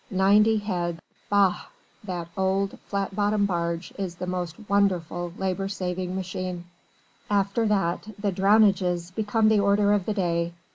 Ninety heads! Bah! That old flat bottomed barge is the most wonderful labour saving machine. After that the "Drownages" become the order of the day.